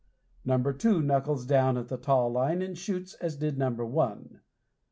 Number two knuckles down at the taw line and shoots, as did number one.